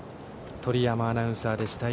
鳥山アナウンサーでした。